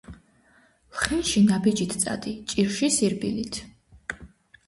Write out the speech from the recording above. ლხინში ნაბიჯით წადი, ჭირში სირბილით